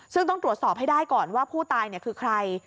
ซึ่งต้องตรวจสอบให้ได้ก่อนว่าผู้ตายคือใคร